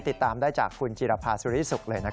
ติดตามได้จากคุณจิรภาสุริสุขเลย